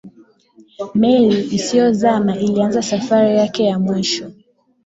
meli isiyozama ilianza safari yake ya mwisho